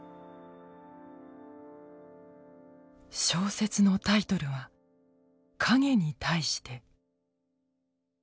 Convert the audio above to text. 小説のタイトルは「影に対して」。